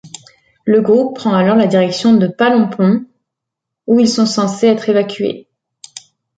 Le groupe prend alors la direction de Palompon, où ils sont censés être évacués.